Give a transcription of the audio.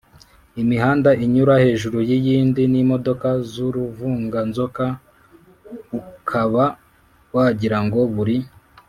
imihanda inyura hejuru y’iyindi n’imodoka z’uruvunganzoka ukaba wagira ngo buri